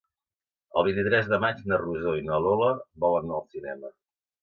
El vint-i-tres de maig na Rosó i na Lola volen anar al cinema.